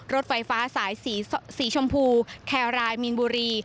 รถไฟฟ้าสายสีชมพูแครายมีนบุรี